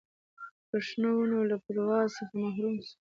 پر شنو ونو له پرواز څخه محروم سو